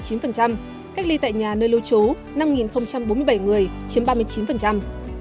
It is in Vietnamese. cách ly tại nhà nơi lưu trú năm bốn mươi bảy người chiếm ba mươi chín